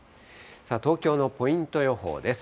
さあ、東京のポイント予報です。